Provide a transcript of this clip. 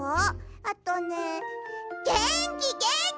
あとねげんきげんき！